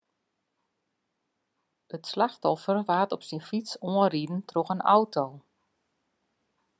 It slachtoffer waard op syn fyts oanriden troch in auto.